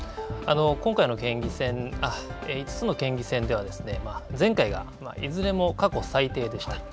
今回の５つの県議選では、前回がいずれも過去最低でした。